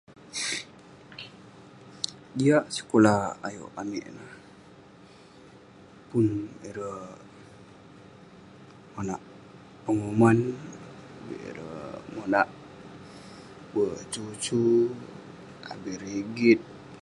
Jiak sekulah ayuk amik ineh, pun ireh monal penguman, pun bi ireh monak berk tusu, abin rigit..